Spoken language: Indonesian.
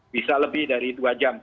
bisa lebih dari dua jam